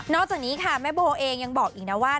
จากนี้ค่ะแม่โบเองยังบอกอีกนะว่า